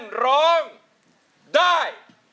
ออกถึงได้